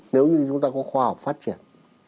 nếu như chúng ta có khoa học phát triển